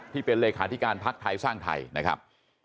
ที่เป็นเลขาธิการพักไทยสร้างไทยนะครับ